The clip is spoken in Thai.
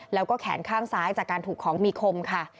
แล้วก็แขนข้างซ้ายจากการถูกของมีคมค่ะ